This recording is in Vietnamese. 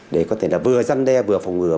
để có thể vừa dân đe vừa phòng ngừa